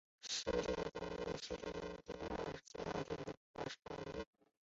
殿试登进士第二甲第八十二名。